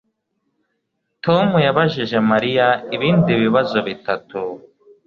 Tom yabajije Mariya ibindi bibazo bitatu